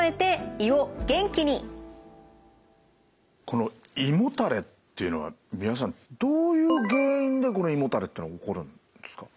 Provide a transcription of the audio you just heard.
この胃もたれっていうのは三輪さんどういう原因で胃もたれっていうのは起こるんですか？